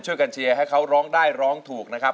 เชียร์ให้เขาร้องได้ร้องถูกนะครับ